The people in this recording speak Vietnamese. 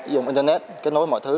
dùng internet kết nối mọi thứ